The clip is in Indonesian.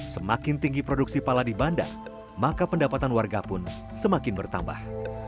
semakin tinggi produksi pala di bandar maka pendapatan warga pun semakin bertambah